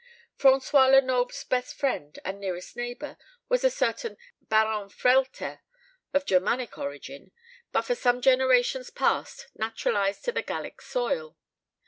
François Lenoble's best friend and nearest neighbour was a certain Baron Frehlter, of Germanic origin, but for some generations past naturalised to the Gallic soil.